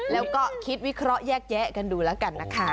แล้วก็คิดวิเคราะห์แยกแยะกันดูแล้วกันนะคะ